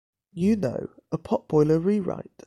You know, a potboiler rewrite.